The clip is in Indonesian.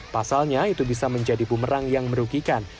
pasalnya itu bisa menjadi bumerang yang merugikan